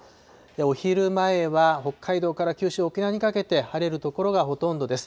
お昼前は北海道から九州、沖縄にかけて晴れる所がほとんどです。